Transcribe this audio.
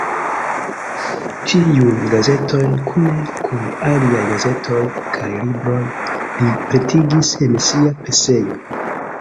Tiujn gazetojn kune kun aliaj gazetoj kaj libroj li pretigis en sia presejo.